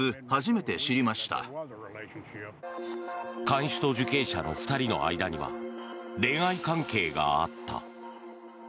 看守と受刑者の２人の間には恋愛関係があった。